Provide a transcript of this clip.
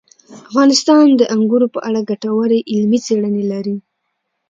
افغانستان د انګورو په اړه ګټورې علمي څېړنې لري.